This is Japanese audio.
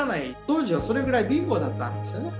当時はそれぐらい貧乏だったんですよね。